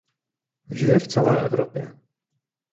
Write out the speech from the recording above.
Žije v celé Evropě.